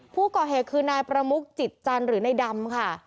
ผู้ก่อเหตุคือนายประมุกจิตจันทร์หรือในดำค่ะ